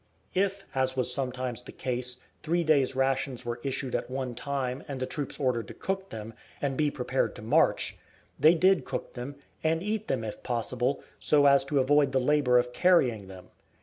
If, as was sometimes the case, three days' rations were issued at one time and the troops ordered to cook them, and be prepared to march, they did cook them, and eat them if possible, so as to avoid the labor of carrying them.